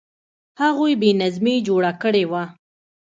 هغوی بې نظمي جوړه کړې وه.